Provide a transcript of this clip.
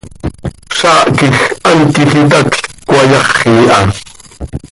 Zaah quij hant quij itacl cöcayaxi ha.